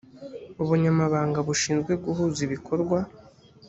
ubunyamabanga bushinzwe guhuza ibikorwa